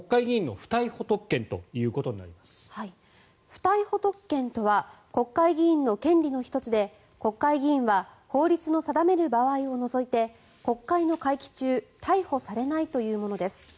不逮捕特権とは国会議員の権利の１つで国会議員は法律の定める場合を除いて国会の会期中逮捕されないというものです。